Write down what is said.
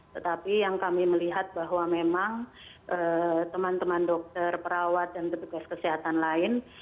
tetapi yang kami melihat bahwa memang teman teman dokter perawat dan petugas kesehatan lain